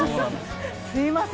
すみません。